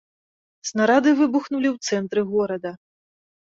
Снарады выбухнулі ў цэнтры горада.